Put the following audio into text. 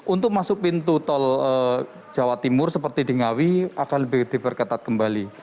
untuk masuk pintu tol jawa timur seperti di ngawi akan lebih diperketat kembali